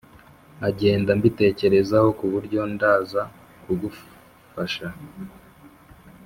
nkagenda mbitekerezaho kuburyo ndaza kugufasha